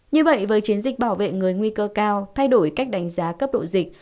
như vậy với chiến dịch bảo vệ người nguy cơ cao thay đổi cách đánh giá cấp độ dịch